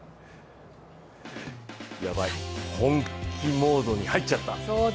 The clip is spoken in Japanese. ヤバい、本気モードに入っちゃった。